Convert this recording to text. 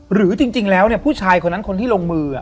หรือจริงแล้วผู้ชายคนนั้นคนที่ลงมือ